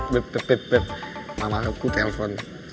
beb beb beb mamaku telpon